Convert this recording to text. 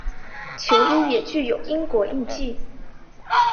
球衣也具有英国印记。